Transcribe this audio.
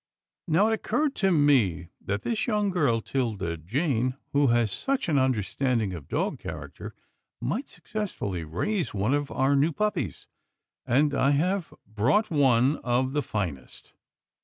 Now it oc curred to me that this young girl, 'Tilda Jane, who has such an understanding of dog character, might successfully raise one of our new puppies, and I have brought one of the finest."